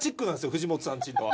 藤本さん家のは。